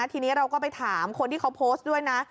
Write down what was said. ทีนี้เราก็ไปถามคนที่เขาโพสต์ด้วยนะ